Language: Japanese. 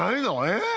えっ？